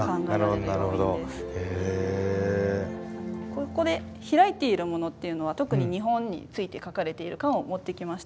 ここで開いているものっていうのは特に日本について書かれている巻を持ってきました。